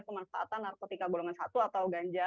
pemanfaatan narkotika golongan satu atau ganja